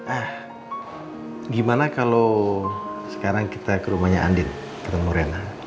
ah gimana kalau sekarang kita ke rumahnya andin ketemu rena